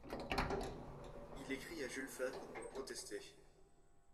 Il écrit à Jules Favre pour protester.